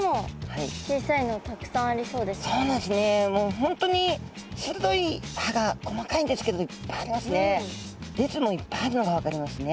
本当に鋭い歯が細かいんですけどいっぱいありますね。